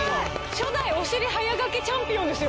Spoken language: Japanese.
初代おしり早描きチャンピオンですよ。